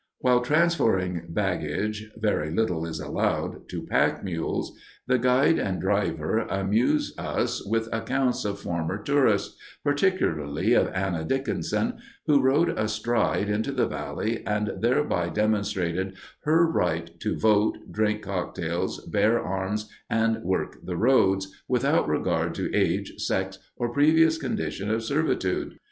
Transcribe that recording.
While transferring baggage—very little is allowed—to pack mules, the guide and driver amuse us with accounts of former tourists, particularly of Anna Dickinson, who rode astride into the valley, and thereby demonstrated her right to vote, drink "cocktails," bear arms, and work the roads, without regard to age, sex, or previous condition of servitude.